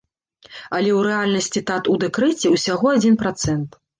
Але ў рэальнасці тат у дэкрэце ўсяго адзін працэнт.